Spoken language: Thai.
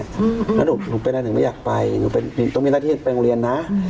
แล้วหนูเป็นอะไรถึงไม่อยากไปหนูต้องมีหน้าที่ไปโรงเรียนนะ